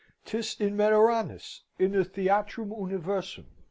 "'Tis in 'Meteranus,' in the Theatrum Universum.